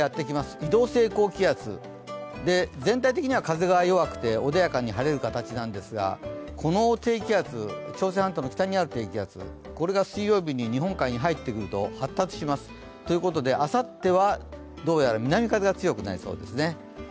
移動性高気圧、全体的には風が弱くて穏やかに晴れる形なんですが、この低気圧朝鮮半島の北にある低気圧が水曜日に日本海に入ってると発達します。ということであさってはどうやら南風が強くなりそうですね。